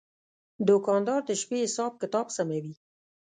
دوکاندار د شپې حساب کتاب سموي.